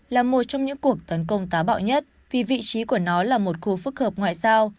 là một trong những cuộc tấn công tá bạo nhất vì vị trí của nó là một khu phức hợp ngoại giao